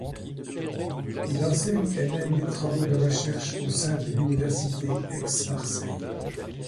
Il enseigne et mène des travaux de recherche au sein de l'Université Aix-Marseille.